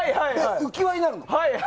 浮き輪になるの。